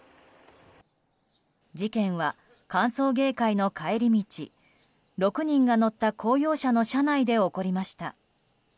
事件は、歓送迎会の帰り道６人が乗った公用車の車内で起こりました。